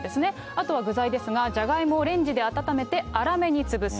あとは具材ですが、じゃがいもをレンジで温めて粗めに潰す。